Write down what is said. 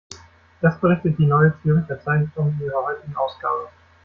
Das berichtet die Neue Zürcher Zeitung in ihrer heutigen Ausgabe.